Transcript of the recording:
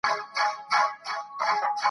ښایي پردي سړي ته د بار ورکول هغې ته بد ښکاري.